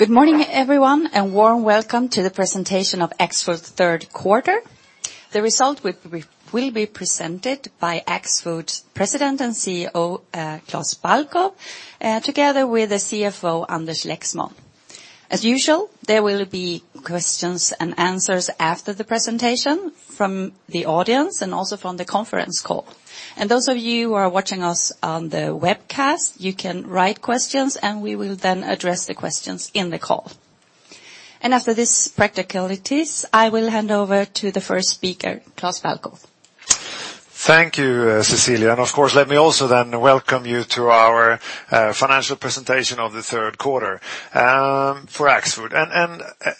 Good morning everyone, warm welcome to the presentation of Axfood's third quarter. The result will be presented by Axfood's President and CEO, Klas Balkow, together with the CFO, Anders Lexmon. As usual, there will be questions and answers after the presentation from the audience and also from the conference call. Those of you who are watching us on the webcast, you can write questions, we will then address the questions in the call. After these practicalities, I will hand over to the first speaker, Klas Balkow. Thank you, Cecilia, of course, let me also then welcome you to our financial presentation of the third quarter for Axfood.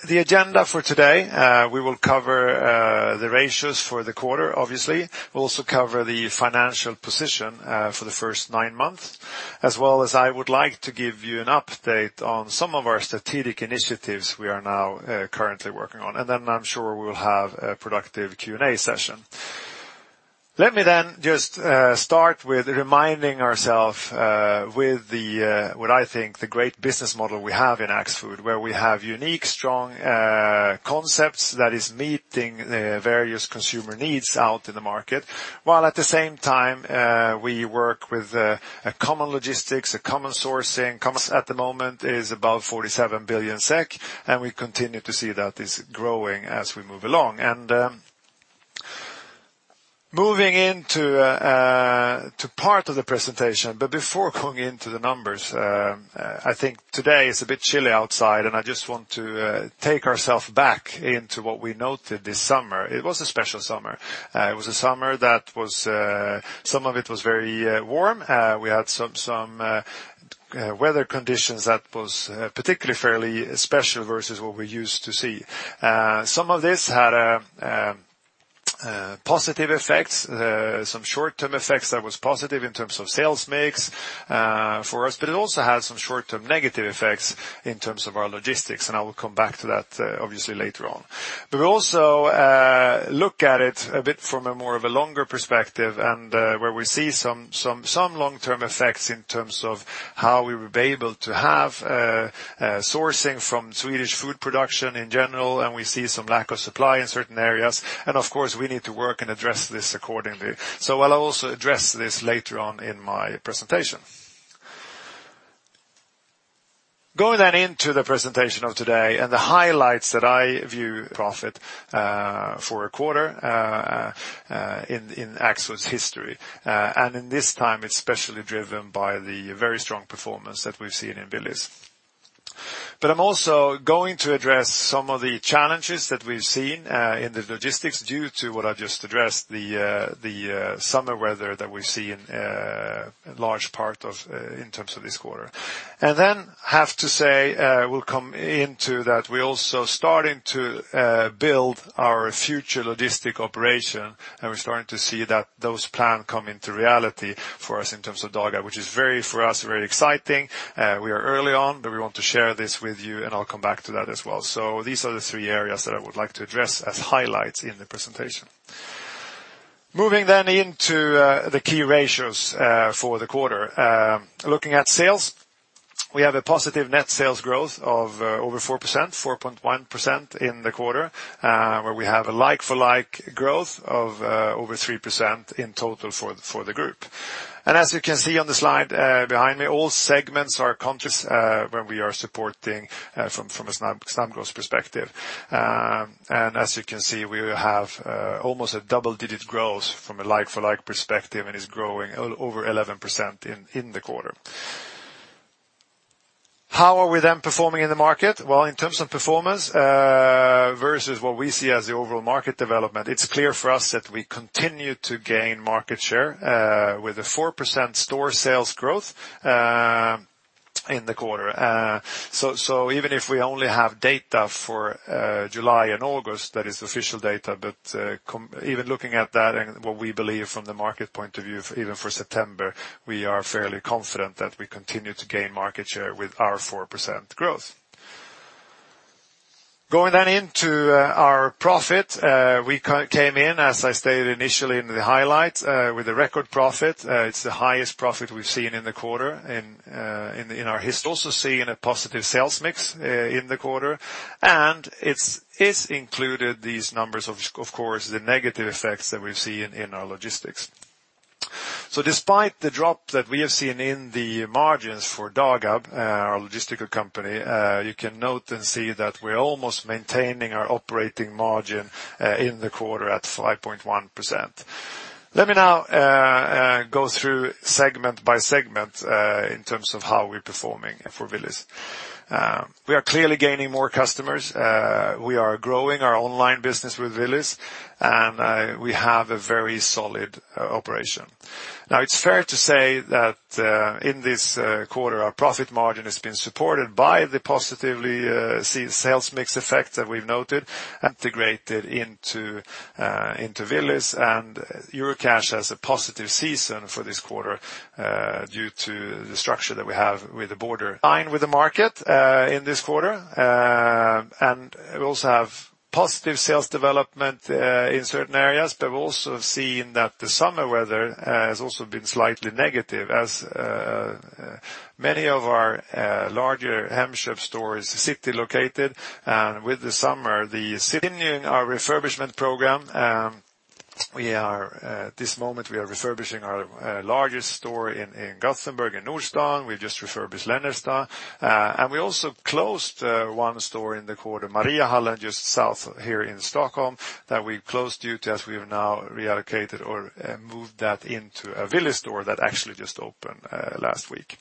The agenda for today, we will cover the ratios for the quarter, obviously. We'll also cover the financial position for the first nine months, as well as I would like to give you an update on some of our strategic initiatives we are now currently working on. Then I'm sure we will have a productive Q&A session. Let me just start with reminding ourselves with what I think the great business model we have in Axfood, where we have unique, strong concepts that is meeting the various consumer needs out in the market, while at the same time we work with a common logistics, a common sourcing, common at the moment is about 47 billion SEK, we continue to see that it's growing as we move along. Moving into part of the presentation, before going into the numbers, I think today is a bit chilly outside, I just want to take ourselves back into what we noted this summer. It was a special summer. It was a summer that some of it was very warm. We had some weather conditions that was particularly fairly special versus what we're used to see. Some of this had positive effects, some short-term effects that was positive in terms of sales mix for us, it also had some short-term negative effects in terms of our logistics, I will come back to that obviously later on. We also look at it a bit from a more of a longer perspective where we see some long-term effects in terms of how we would be able to have sourcing from Swedish food production in general, we see some lack of supply in certain areas. Of course, we need to work and address this accordingly. I'll also address this later on in my presentation. Going into the presentation of today the highlights that I view profit for a quarter in Axfood's history. In this time, it's especially driven by the very strong performance that we've seen in Willys. I'm also going to address some of the challenges that we've seen in the logistics due to what I just addressed, the summer weather that we see in large part in terms of this quarter. I have to say we'll come into that we're also starting to build our future logistic operation, and we're starting to see that those plans come into reality for us in terms of Dagab, which is, for us, very exciting. We are early on, but we want to share this with you, and I'll come back to that as well. These are the three areas that I would like to address as highlights in the presentation. Moving into the key ratios for the quarter. Looking at sales, we have a positive net sales growth of over 4%, 4.1% in the quarter, where we have a like-for-like growth of over 3% in total for the group. As you can see on the slide behind me, all segments are conscious when we are supporting from a same growth perspective. As you can see, we have almost a double-digit growth from a like-for-like perspective, and it's growing over 11% in the quarter. How are we performing in the market? In terms of performance versus what we see as the overall market development, it's clear for us that we continue to gain market share with a 4% store sales growth in the quarter. Even if we only have data for July and August, that is official data, but even looking at that and what we believe from the market point of view, even for September, we are fairly confident that we continue to gain market share with our 4% growth. Going into our profit. We came in, as I stated initially in the highlights, with a record profit. It's the highest profit we've seen in the quarter in our history. Also seeing a positive sales mix in the quarter, and it's included these numbers, of course, the negative effects that we've seen in our logistics. Despite the drop that we have seen in the margins for Dagab, our logistical company, you can note and see that we're almost maintaining our operating margin in the quarter at 5.1%. Let me now go through segment by segment in terms of how we're performing for Willys. We are clearly gaining more customers. We are growing our online business with Willys, and we have a very solid operation. It's fair to say that in this quarter, our profit margin has been supported by the positive sales mix effect that we've noted integrated into Willys. Eurocash has a positive season for this quarter due to the structure that we have with the border. In line with the market in this quarter. We also have positive sales development in certain areas, but we've also seen that the summer weather has also been slightly negative as many of our larger Hemköp stores are city-located. With the summer. Continuing our refurbishment program. At this moment, we are refurbishing our largest store in Gothenburg, in Nordstan. We've just refurbished Länna. We also closed one store in the quarter, Mariaallen, just south here in Stockholm, that we've closed due to, as we have now reallocated or moved that into a Willys store that actually just opened last week.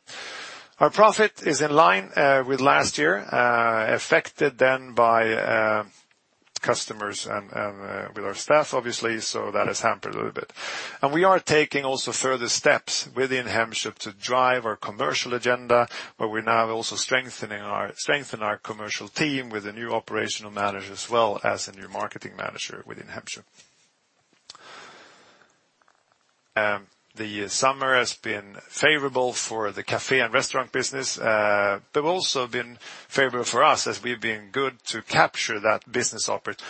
Our profit is in line with last year, affected then by customers and with our staff, obviously. That has hampered a little bit. We are taking also further steps within Hemköp to drive our commercial agenda, where we're now also strengthening our commercial team with a new operational manager as well as a new marketing manager within Hemköp. The summer has been favorable for the cafe and restaurant business, also been favorable for us as we've been good to capture that business opportunity.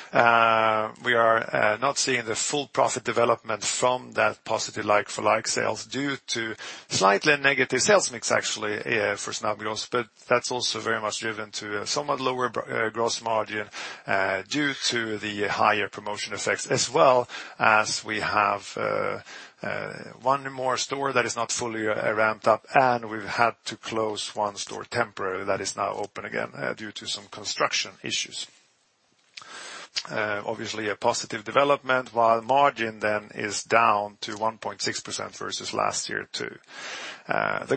We are not seeing the full profit development from that positive like-for-like sales due to slightly negative sales mix, actually, for Kjell & Company, that's also very much driven to a somewhat lower gross margin due to the higher promotion effects, as well as we have one more store that is not fully ramped up, and we've had to close one store temporarily that is now open again due to some construction issues. Obviously, a positive development, while margin then is down to 1.6% versus last year, too.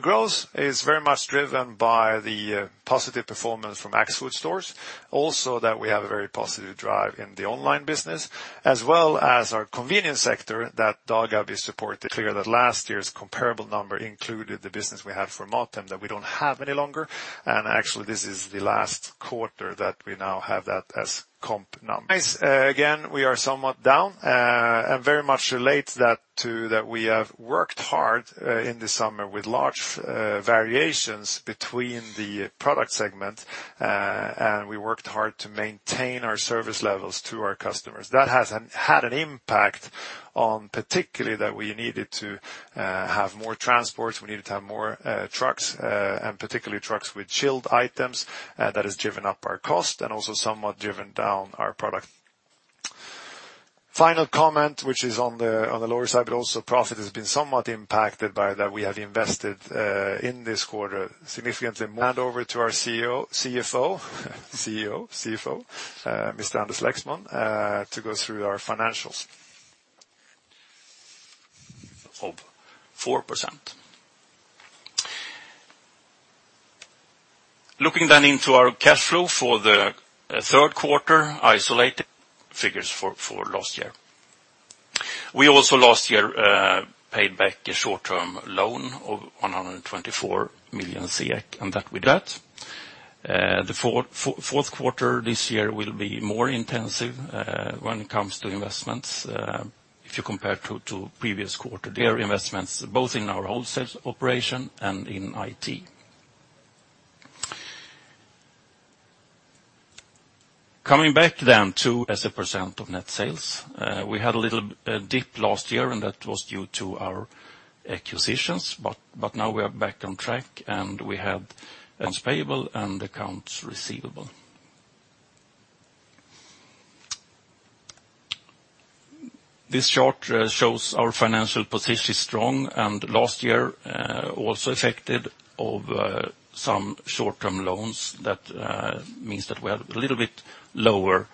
Growth is very much driven by the positive performance from Axfood stores. That we have a very positive drive in the online business, as well as our convenience sector that Dagab is supporting. Clear that last year's comparable number included the business we had for Mathem that we don't have any longer. Actually, this is the last quarter that we now have that as comparable number. Again, we are somewhat down and very much relates that to that we have worked hard in the summer with large variations between the product segment, we worked hard to maintain our service levels to our customers. That has had an impact on particularly that we needed to have more transports, we needed to have more trucks, particularly trucks with chilled items. That has driven up our cost also somewhat driven down our profit. Final comment, which is on the lower side, also profit has been somewhat impacted by that we have invested in this quarter. Hand over to our CEO, CFO, Mr. Anders Lexmon, to go through our financials. 4%. Looking into our cash flow for the third quarter, isolated figures for last year. We also last year paid back a short-term loan of 124 million SEK, and that we did. The fourth quarter this year will be more intensive when it comes to investments if you compare to previous quarter. There are investments both in our wholesale operation and in IT. Coming back to as a percent of net sales. We had a little dip last year, and that was due to our acquisitions. Now we are back on track, and we have accounts payable and accounts receivable. This chart shows our financial position is strong and last year also affected of some short-term loans. That means that we had a little bit lower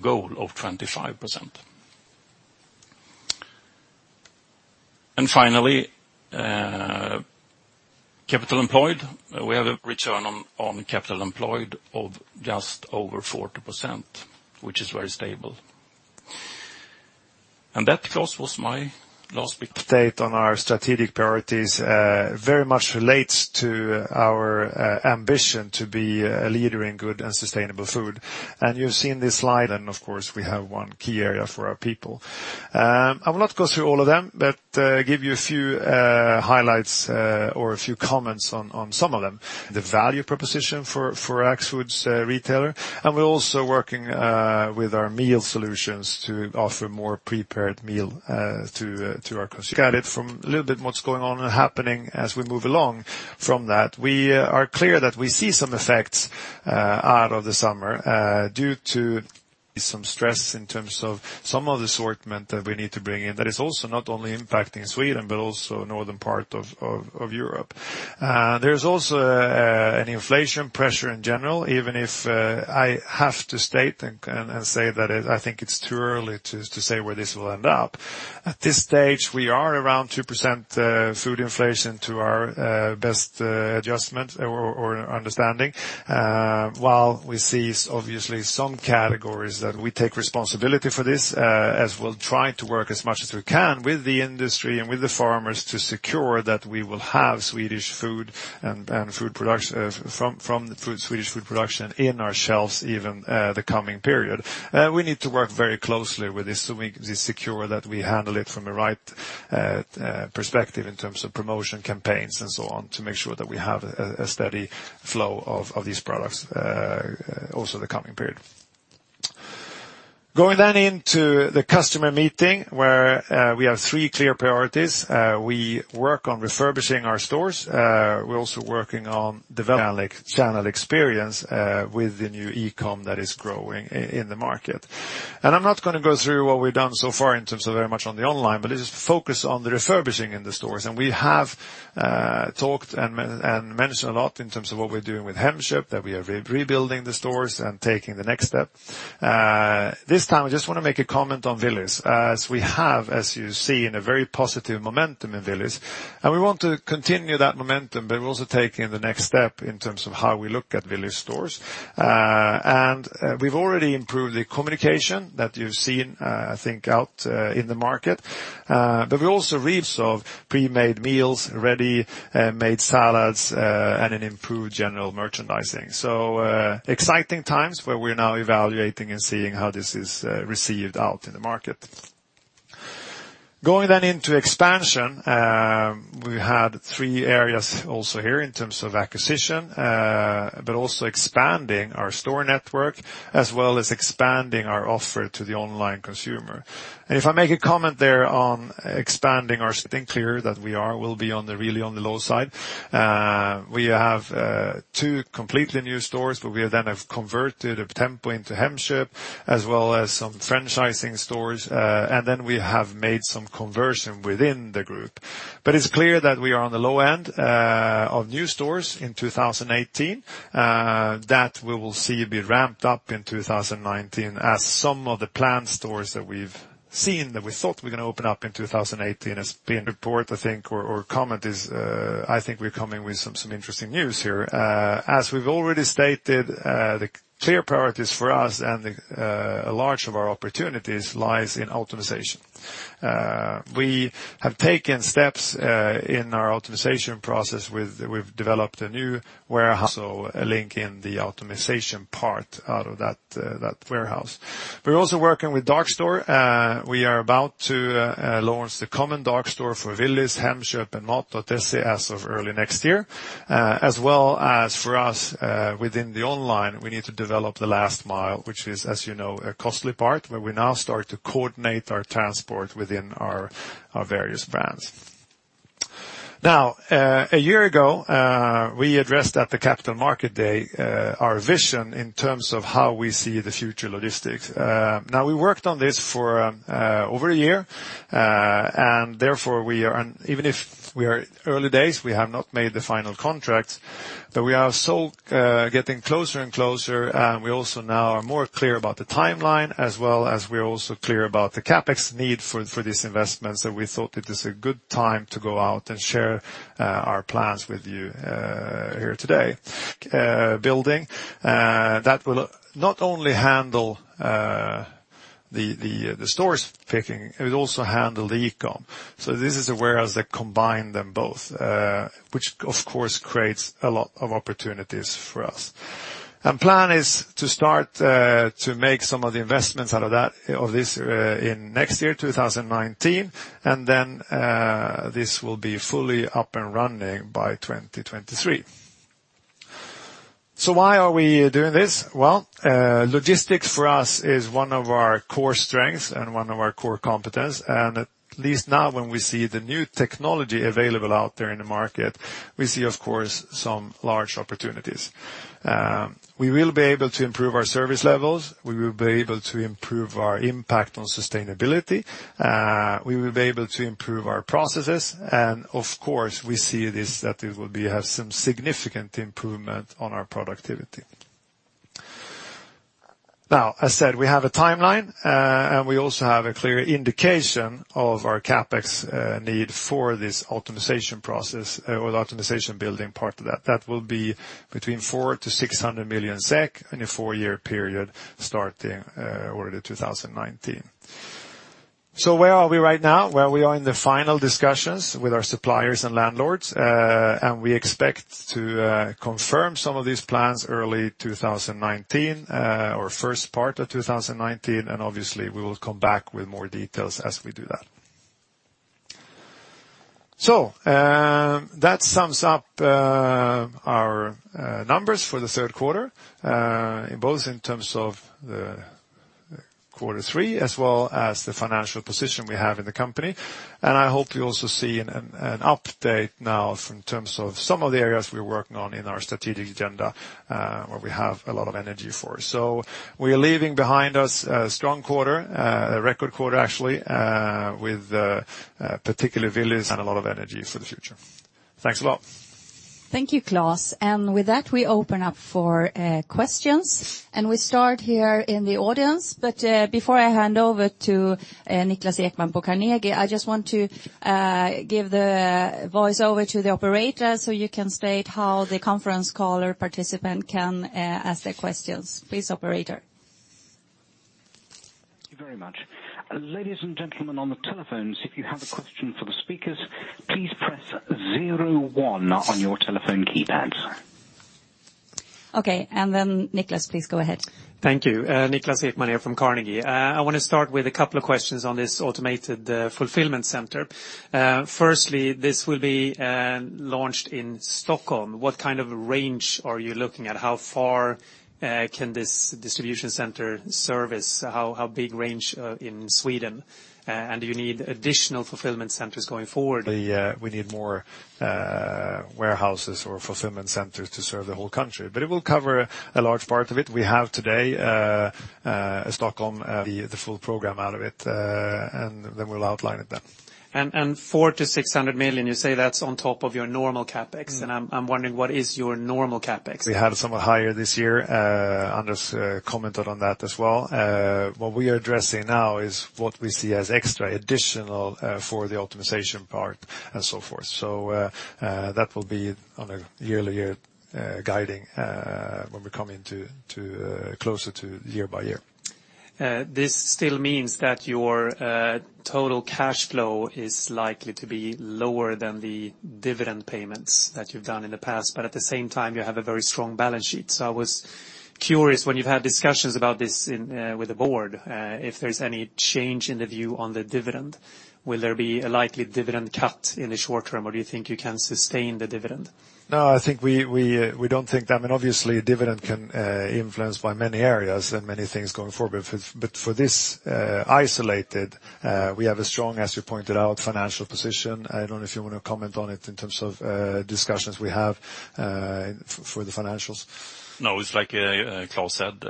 goal of 25%. Finally, capital employed. We have a return on capital employed of just over 40%, which is very stable. That, Klas, was my last bit. Update on our strategic priorities very much relates to our ambition to be a leader in good and sustainable food. You've seen this slide, and of course, we have one key area for our people. I will not go through all of them, but give you a few highlights or a few comments on some of them. The value proposition for Axfood's retailer, and we're also working with our meal solutions to offer more prepared meal to our. Look at it from a little bit what's going on and happening as we move along from that. We are clear that we see some effects out of the summer due to some stress in terms of some of the assortment that we need to bring in that is also not only impacting Sweden but also northern part of Europe. There's also an inflation pressure in general, even if I have to state and say that I think it's too early to say where this will end up. At this stage, we are around 2% food inflation to our best adjustment or understanding. While we see obviously some categories that we take responsibility for this as we'll try to work as much as we can with the industry and with the farmers to secure that we will have Swedish food and food production from the Swedish food production in our shelves even the coming period. We need to work very closely with this to secure that we handle it from the right perspective in terms of promotion campaigns and so on to make sure that we have a steady flow of these products also the coming period. Going into the customer meeting where we have three clear priorities. We work on refurbishing our stores. We're also working on developing channel experience with the new e-com that is growing in the market. I'm not going to go through what we've done so far in terms of very much on the online, but it is focused on the refurbishing in the stores. We have talked and mentioned a lot in terms of what we're doing with Hemköp, that we are rebuilding the stores and taking the next step. This time, I just want to make a comment on Willys, as we have, as you see, in a very positive momentum in Willys, and we want to continue that momentum, but we're also taking the next step in terms of how we look at Willys stores. We've already improved the communication that you've seen, I think, out in the market. We also resolve pre-made meals, ready-made salads, and an improved general merchandising. Exciting times where we're now evaluating and seeing how this is received out in the market. Going then into expansion, we had three areas also here in terms of acquisition, but also expanding our store network, as well as expanding our offer to the online consumer. Clear that we are, will be really on the low side. We have two completely new stores, but we then have converted a Tempo into Hemköp, as well as some franchising stores. We have made some conversion within the group. It's clear that we are on the low end of new stores in 2018. That we will see be ramped up in 2019 as some of the planned stores that we've seen, that we thought were going to open up in 2018. Report, I think, or comment is, I think we're coming with some interesting news here. We've already stated, the clear priorities for us and a large of our opportunities lies in optimization. We have taken steps in our optimization process. We've developed a new warehouse, also a link in the optimization part out of that warehouse. We're also working with Dark Store. We are about to launch the common Dark Store for Willys, Hemköp, and Mat.se as of early next year. For us within the online, we need to develop the last mile, which is, as you know, a costly part, where we now start to coordinate our transport within our various brands. A year ago, we addressed at the Capital Market Day our vision in terms of how we see the future logistics. We worked on this for over a year, and therefore, even if we are early days, we have not made the final contract, but we are getting closer and closer, and we also now are more clear about the timeline, as well as we're also clear about the CapEx need for these investments, and we thought it is a good time to go out and share our plans with you here today. Building that will not only handle the store's picking, it will also handle the e-com. This is a warehouse that combine them both, which of course creates a lot of opportunities for us. Plan is to start to make some of the investments out of this in next year, 2019, then this will be fully up and running by 2023. Why are we doing this? Well, logistics for us is one of our core strengths and one of our core competence, at least now when we see the new technology available out there in the market, we see, of course, some large opportunities. We will be able to improve our service levels, we will be able to improve our impact on sustainability, we will be able to improve our processes, and of course, we see this that it will have some significant improvement on our productivity. As said, we have a timeline, we also have a clear indication of our CapEx need for this optimization process or the optimization building part of that. That will be between four to 600 million SEK in a four-year period starting early 2019. Where are we right now? Well, we are in the final discussions with our suppliers and landlords, obviously, we will come back with more details as we do that. That sums up our numbers for the third quarter, both in terms of the quarter three as well as the financial position we have in the company. I hope you also see an update now in terms of some of the areas we're working on in our strategic agenda, where we have a lot of energy for. We are leaving behind us a strong quarter, a record quarter, actually, with particularly Willys and a lot of energy for the future. Thanks a lot. Thank you, Klas. With that, we open up for questions, we start here in the audience. Before I hand over to Niklas Ekman på Carnegie, I just want to give the voice over to the operator so you can state how the conference caller participant can ask their questions. Please, operator. Thank you very much. Ladies and gentlemen on the telephones, if you have a question for the speakers, please press 01 on your telephone keypads. Okay, then Niklas, please go ahead. Thank you. Niklas Ekman here from Carnegie. I want to start with a couple of questions on this automated fulfillment center. Firstly, this will be launched in Stockholm. What kind of range are you looking at? How far can this distribution center service? How big range in Sweden? Do you need additional fulfillment centers going forward? We need more warehouses or fulfillment centers to serve the whole country, but it will cover a large part of it. We have today Stockholm, the full program out of it, and then we'll outline it then. 400 million-600 million, you say that's on top of your normal CapEx, and I'm wondering what is your normal CapEx? We had it somewhat higher this year. Anders commented on that as well. What we are addressing now is what we see as extra additional for the optimization part and so forth. That will be on a yearly year guiding when we come closer to year by year. This still means that your total cash flow is likely to be lower than the dividend payments that you've done in the past, at the same time, you have a very strong balance sheet. I was curious when you've had discussions about this with the board, if there's any change in the view on the dividend. Will there be a likely dividend cut in the short term, or do you think you can sustain the dividend? No. I think we don't think that. Obviously, dividend can influence by many areas and many things going forward, for this isolated, we have a strong, as you pointed out, financial position. I don't know if you want to comment on it in terms of discussions we have for the financials. No, it's like Klas said.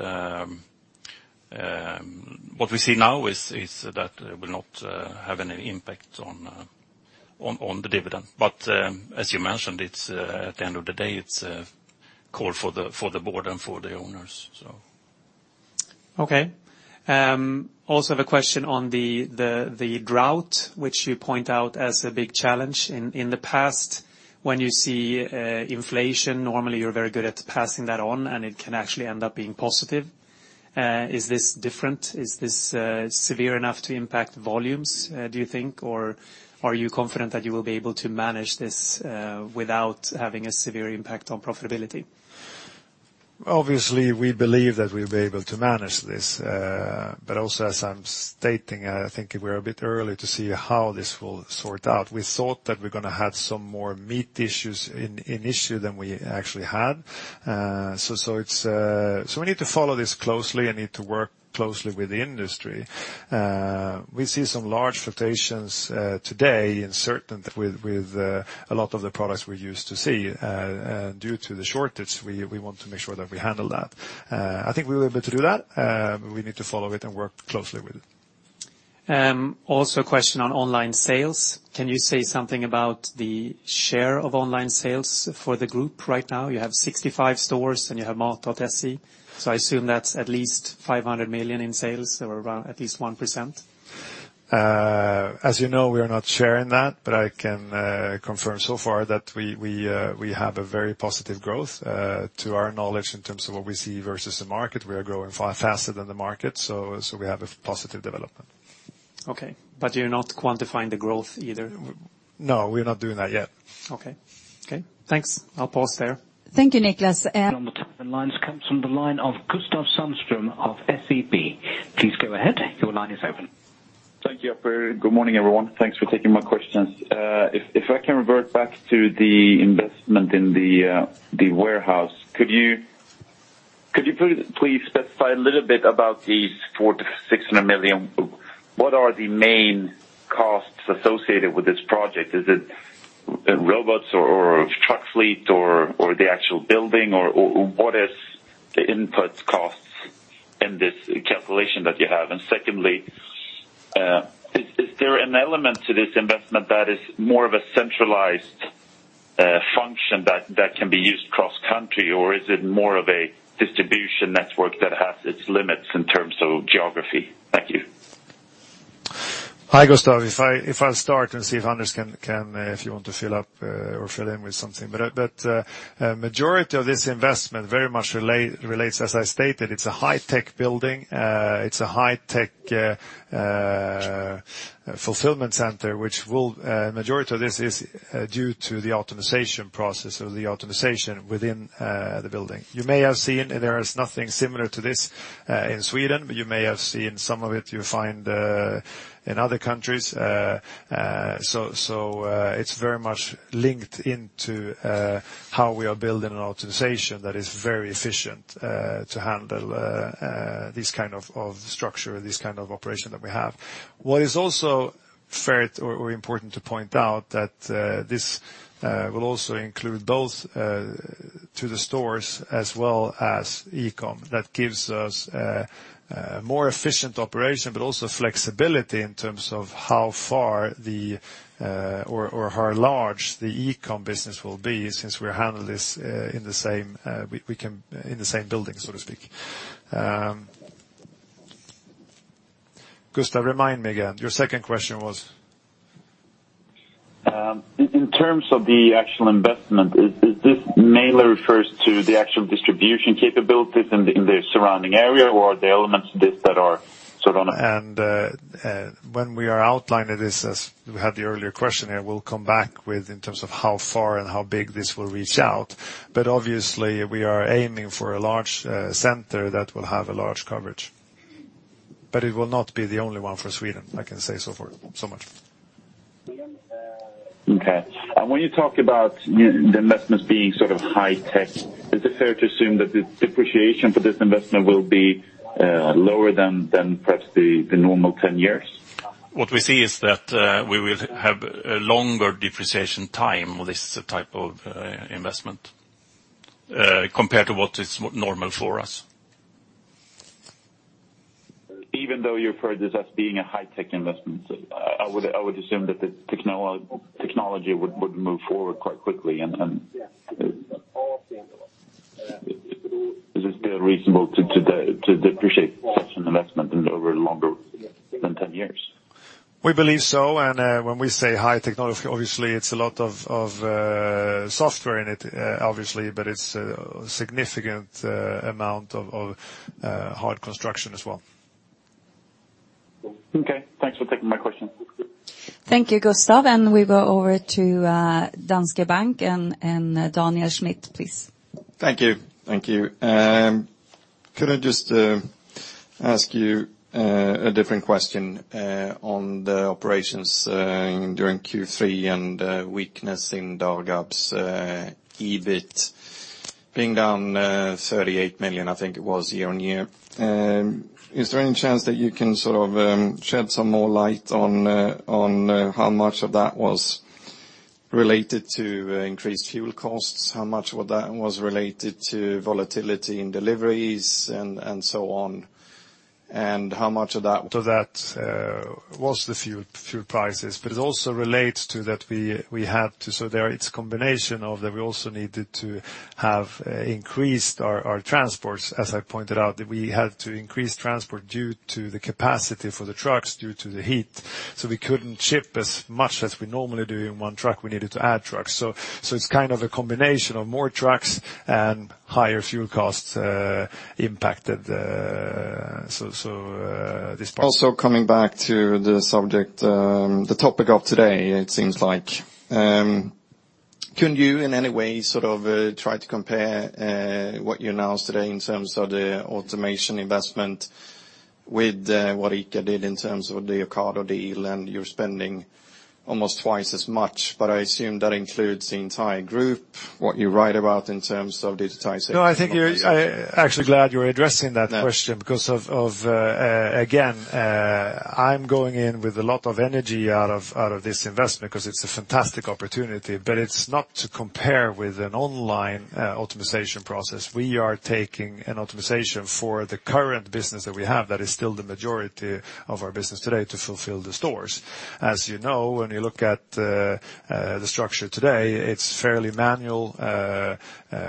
What we see now is that it will not have any impact on the dividend. As you mentioned, at the end of the day, it's a call for the board and for the owners. Okay. I also have a question on the drought, which you point out as a big challenge. In the past, when you see inflation, normally you're very good at passing that on, and it can actually end up being positive. Is this different? Is this severe enough to impact volumes, do you think? Or are you confident that you will be able to manage this without having a severe impact on profitability? Obviously, we believe that we'll be able to manage this. Also as I'm stating, I think we're a bit early to see how this will sort out. We thought that we're going to have some more meat issues in issue than we actually had. We need to follow this closely and need to work closely with the industry. We see some large fluctuations today in certain with a lot of the products we used to see due to the shortage. We want to make sure that we handle that. I think we're able to do that. We need to follow it and work closely with it. I also have a question on online sales. Can you say something about the share of online sales for the group right now? You have 65 stores and you have Mat.se. I assume that's at least 500 million in sales or around at least 1%. As you know, we are not sharing that, but I can confirm so far that we have a very positive growth. To our knowledge, in terms of what we see versus the market, we are growing far faster than the market, so we have a positive development. Okay. You're not quantifying the growth either? We're not doing that yet. Okay. Thanks. I'll pause there. Thank you, Niklas. On the telephone lines comes from the line of Gustav Sandström of SEB. Please go ahead. Your line is open. Thank you, operator. Good morning, everyone. Thanks for taking my questions. If I can revert back to the investment in the warehouse, could you please specify a little bit about the 400 million to 600 million? What are the main costs associated with this project? Is it robots or truck fleet or the actual building? Or what is the input costs in this calculation that you have? Secondly, is there an element to this investment that is more of a centralized function that can be used cross-country, or is it more of a distribution network that has its limits in terms of geography? Thank you. Hi, Gustaf. If I start and see if Anders, if you want to fill up or fill in with something. Majority of this investment very much relates, as I stated, it's a high-tech building. It's a high-tech fulfillment center, which majority of this is due to the optimization process or the optimization within the building. You may have seen, there is nothing similar to this in Sweden, but you may have seen some of it you find in other countries. It's very much linked into how we are building an optimization that is very efficient to handle this kind of structure, this kind of operation that we have. What is also fair or important to point out that this will also include both to the stores as well as e-com. That gives us a more efficient operation, but also flexibility in terms of how far or how large the e-com business will be since we handle this in the same building, so to speak. Gustaf, remind me again, your second question was? In terms of the actual investment, does this mainly refer to the actual distribution capabilities in the surrounding area, or are there elements to this that are When we are outlining this, as we had the earlier question here, we will come back with in terms of how far and how big this will reach out. Obviously, we are aiming for a large center that will have a large coverage. It will not be the only one for Sweden, I can say so much. Okay. When you talk about the investments being high tech, is it fair to assume that the depreciation for this investment will be lower than perhaps the normal 10 years? What we see is that we will have a longer depreciation time on this type of investment, compared to what is normal for us. Even though you refer to this as being a high-tech investment, I would assume that the technology would move forward quite quickly and is it reasonable to depreciate such an investment over longer than 10 years? We believe so. When we say high technology, obviously, it's a lot of software in it, obviously, but it's a significant amount of hard construction as well. Okay. Thanks for taking my question. Thank you, Gustaf. We go over to Danske Bank and Daniel Schmidt, please. Thank you. Could I just ask you a different question on the operations during Q3 and weakness in Dagab's EBIT being down 38 million, I think it was, year-on-year. Is there any chance that you can shed some more light on how much of that was related to increased fuel costs? How much of that was related to volatility in deliveries and so on, and how much of that- Of that was the fuel prices. It also relates to that we had to have increased our transports, as I pointed out, that we had to increase transport due to the capacity for the trucks due to the heat. We couldn't ship as much as we normally do in one truck. We needed to add trucks. It's a combination of more trucks and higher fuel costs impacted this part. Coming back to the topic of today, it seems like. Could you, in any way, try to compare what you announced today in terms of the automation investment with what ICA did in terms of the Ocado deal, you're spending almost twice as much, I assume that includes the entire group, what you write about in terms of digitization- No, I'm actually glad you're addressing that question because of, again, I'm going in with a lot of energy out of this investment because it's a fantastic opportunity. It's not to compare with an online optimization process. We are taking an optimization for the current business that we have that is still the majority of our business today to fulfill the stores. As you know, when you look at the structure today, it's fairly manual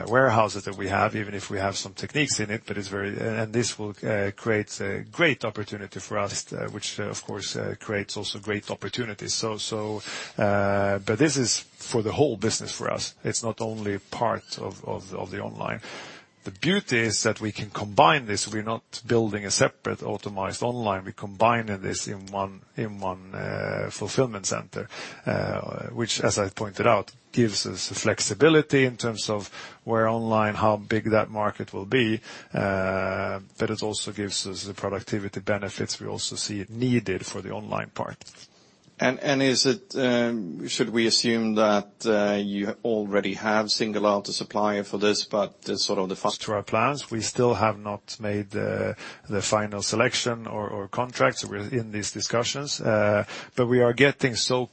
warehouses that we have, even if we have some techniques in it, this will create a great opportunity for us, which of course creates also great opportunities. This is for the whole business for us. It's not only part of the online. The beauty is that we can combine this. We're not building a separate optimized online. We're combining this in one fulfillment center, which, as I pointed out, gives us flexibility in terms of where online, how big that market will be. It also gives us the productivity benefits we also see it needed for the online part. Should we assume that you already have singled out a supplier for this? To our plans, we still have not made the final selection or contracts. We're in these discussions. We are getting so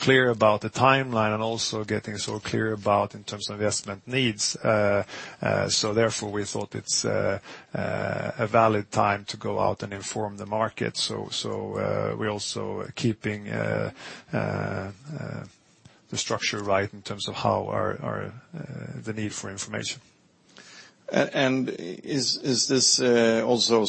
clear about the timeline and also getting so clear about in terms of investment needs. Therefore, we thought it's a valid time to go out and inform the market. We're also keeping the structure right in terms of the need for information. Is this also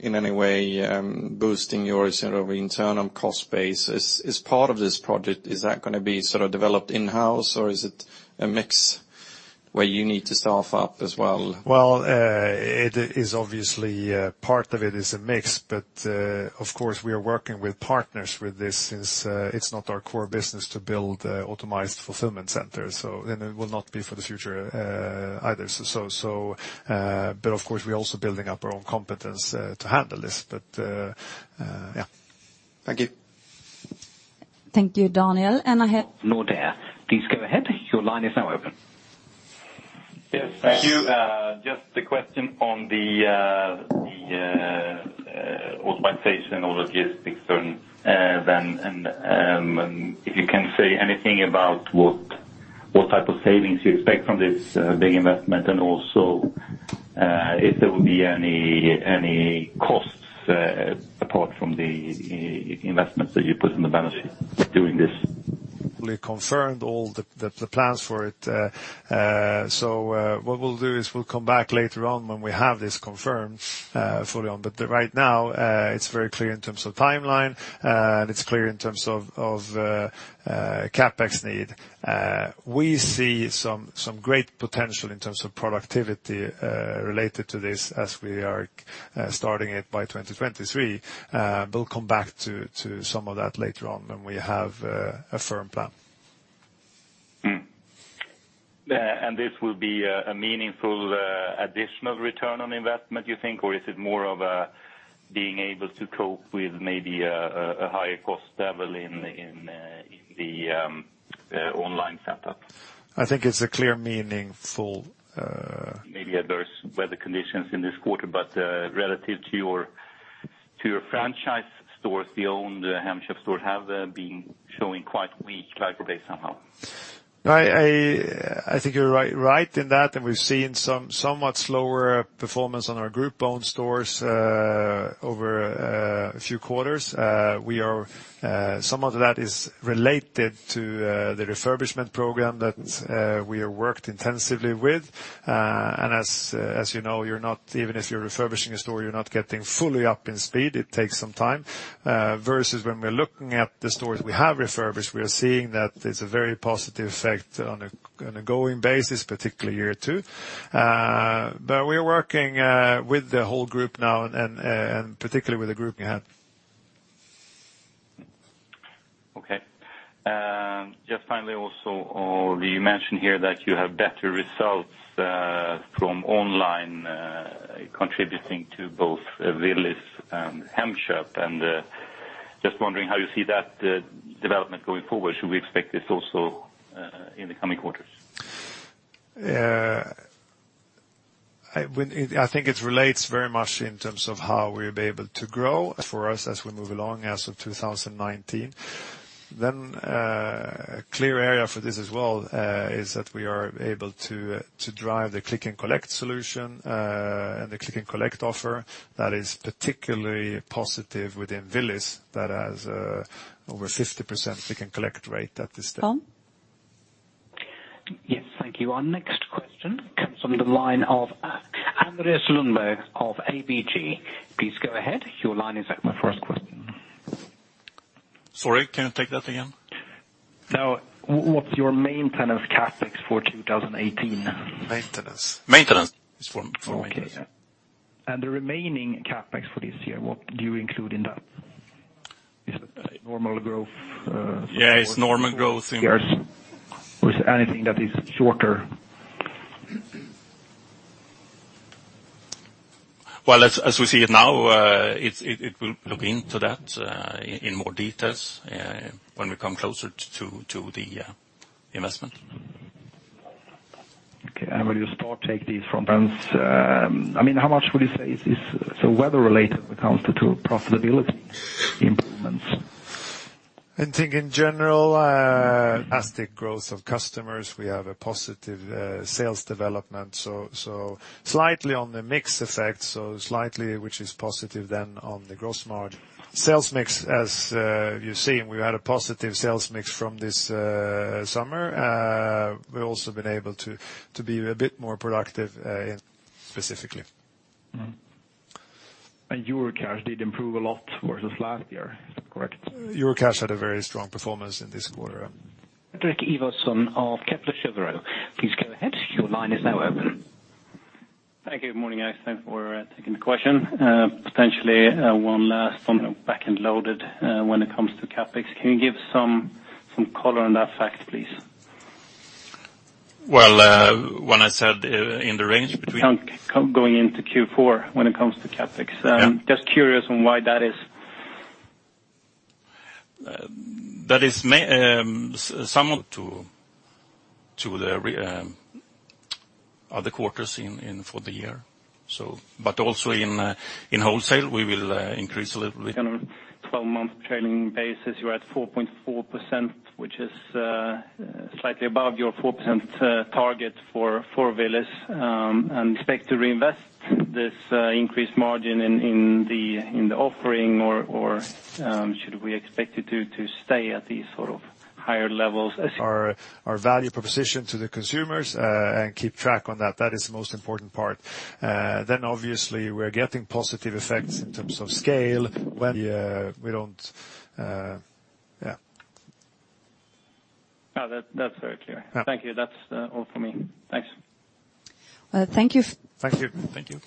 in any way boosting your internal cost base? Is part of this project going to be developed in-house, or is it a mix where you need to staff up as well? Obviously part of it is a mix, but of course, we are working with partners with this since it's not our core business to build optimized fulfillment centers. It will not be for the future either. Of course, we're also building up our own competence to handle this. Yeah. Thank you. Thank you, Daniel. I have. Nordea. Please go ahead. Your line is now open. Yes, thank you. Just a question on the optimization and logistics front then, and if you can say anything about what type of savings you expect from this big investment and also if there will be any costs apart from the investments that you put in the benefit of doing this. We confirmed all the plans for it. What we'll do is we'll come back later on when we have this confirmed fully on. Right now, it's very clear in terms of timeline, and it's clear in terms of CapEx need. We see some great potential in terms of productivity related to this as we are starting it by 2023. We'll come back to some of that later on when we have a firm plan. This will be a meaningful additional return on investment you think? Is it more of being able to cope with maybe a higher cost level in the online setup? I think it's a clear, meaningful- Maybe adverse weather conditions in this quarter, but relative to your franchise stores, the owned Hemköp stores have been showing quite weak like-for-like somehow. I think you're right in that, and we've seen somewhat slower performance on our group-owned stores over a few quarters. Some of that is related to the refurbishment program that we have worked intensively with. As you know, even if you're refurbishing a store, you're not getting fully up in speed, it takes some time. Versus when we're looking at the stores we have refurbished, we are seeing that it's a very positive effect on a going basis, particularly year two. We are working with the whole group now and particularly with the group you have. Okay. Just finally also, you mentioned here that you have better results from online contributing to both Willys and Hemköp, just wondering how you see that development going forward. Should we expect this also in the coming quarters? I think it relates very much in terms of how we'll be able to grow for us as we move along as of 2019. A clear area for this as well, is that we are able to drive the click and collect solution, and the click and collect offer that is particularly positive within Willys, that has over 50% click and collect rate at this stage. Tom? Yes. Thank you. Our next question comes from the line of Andreas Lundberg of ABG. Please go ahead. Your line is open for a question. Sorry, can you take that again? What's your maintenance CapEx for 2018? Maintenance. Maintenance. It's for maintenance. Okay. Yeah. The remaining CapEx for this year, what do you include in that? Is it normal growth? Yeah, it's normal growth. Yes. With anything that is shorter? Well, as we see it now, it will look into that, in more details, when we come closer to the investment. Okay. Will you still take these from then? How much would you say is weather-related when it comes to profitability improvements? I think in general, as the growth of customers, we have a positive sales development, so slightly on the mix effect, so slightly which is positive then on the gross margin. Sales mix as you've seen, we've had a positive sales mix from this summer. We've also been able to be a bit more productive specifically. Eurocash did improve a lot versus last year, correct? Eurocash had a very strong performance in this quarter. Fredrik Ivarsson of Kepler Cheuvreux. Please go ahead. Your line is now open. Thank you. Morning, guys. Thanks for taking the question. Potentially one last on the back-end loaded, when it comes to CapEx. Can you give some color on that fact, please? Well, when I said in the range between- Going into Q4 when it comes to CapEx. Yeah. Just curious on why that is. That is somewhat to the other quarters for the year. Also in wholesale, we will increase a little bit. On a 12-month trailing basis, you're at 4.4%, which is slightly above your 4% target for Willys. Expect to reinvest this increased margin in the offering or should we expect it to stay at these sort of higher levels? Our value proposition to the consumers, and keep track on that. That is the most important part. Obviously we're getting positive effects in terms of scale. No. That's very clear. Yeah. Thank you. That's all for me. Thanks. Well, thank you. Thank you. Thank you.